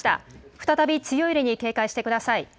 再び強い揺れに警戒してください。